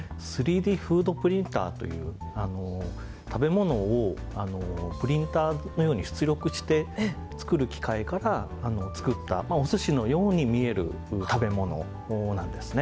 ３Ｄフードプリンターという食べ物をプリンターのように出力して作る機械から作ったおすしのように見える食べ物なんですね。